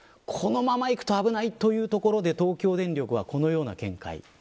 このままいくと危ないというところで東京電力はこのような見解。